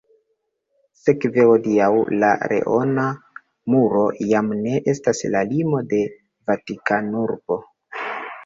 Sekve hodiaŭ la leona muro jam ne estas la limo de Vatikanurbo.